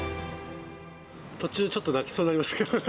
途中、ちょっと泣きそうになりましたけど。